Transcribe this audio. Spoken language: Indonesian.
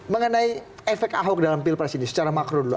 mengenai efek ahok dalam pilpres ini secara makro dulu